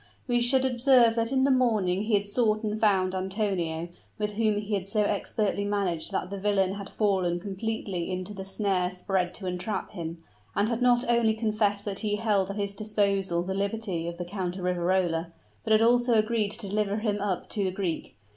We should observe that in the morning he had sought and found Antonio, with whom he had so expertly managed that the villain had fallen completely into the snare spread to entrap him, and had not only confessed that he held at his disposal the liberty of the Count of Riverola, but had also agreed to deliver him up to the Greek.